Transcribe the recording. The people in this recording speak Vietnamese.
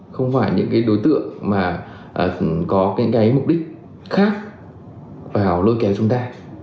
không phải những đối tượng mà có những mục đích khác vào lôi kéo chúng ta